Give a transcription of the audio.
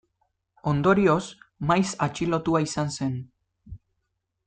Ondorioz, maiz atxilotua izan zen.